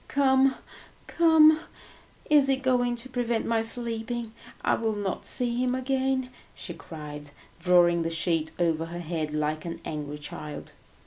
Come, come, is he going to prevent my sleeping? I will not see him again!" she cried, drawing the sheet over her head like an angry child.